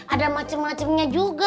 ada macem macem nya juga